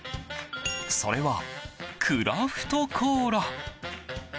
それは、クラフトコーラ。